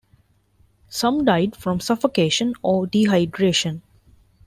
Some died from suffocation or dehydration.